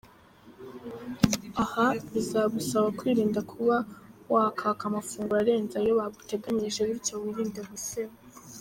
Aha bizagusaba kwirinda kuba wakwaka amafunguro arenze ayo baguteganyirije bityo wirinde guseba.